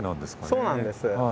そうなんです。